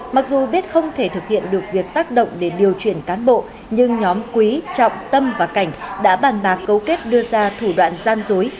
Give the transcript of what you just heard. mặc dù biết không thể thực hiện được việc tác động để điều chuyển cán bộ nhưng nhóm quý trọng tâm và cảnh đã bàn bạc cấu kết đưa ra thủ đoạn gian dối